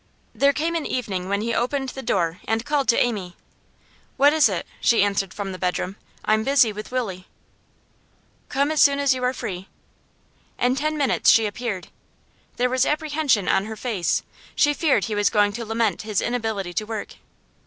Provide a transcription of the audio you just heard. There came an evening when he opened the door and called to Amy. 'What is it?' she answered from the bedroom. 'I'm busy with Willie.' 'Come as soon as you are free.' In ten minutes she appeared. There was apprehension on her face; she feared he was going to lament his inability to work.